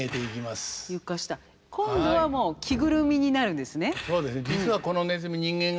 今度はもう着ぐるみになるんですね。